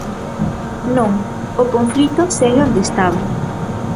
Non, o conflito segue onde estaba.